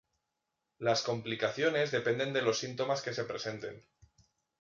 Las complicaciones dependen de los síntomas que se presenten.